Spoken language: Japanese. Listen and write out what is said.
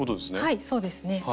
はいそうですね。